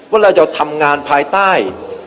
ว่าเราจะทำงานภายใต้